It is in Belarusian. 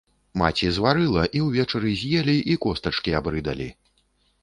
Маці зварыла, і ўвечары з'елі, і костачкі абрыдалі.